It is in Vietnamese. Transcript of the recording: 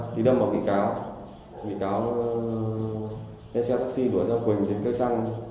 thì đâm vào bị cáo bị cáo lên xe taxi đuổi theo quỳnh trên cây xăng